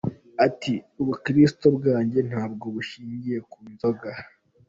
Ati " Ubukirisito bwanjye ntabwo bushingiye ku nzoga!.